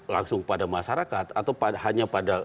langsung pada masyarakat atau hanya pada